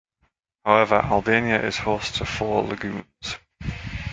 However, Albania is host to four lagoons.